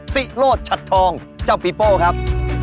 สิโรธชัดทองเจ้าปีโป้ครับ